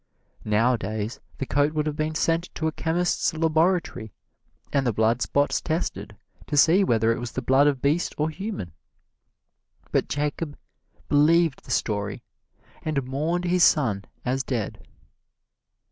Nowadays, the coat would have been sent to a chemist's laboratory and the blood spots tested to see whether it was the blood of beast or human. But Jacob believed the story and mourned his son as dead.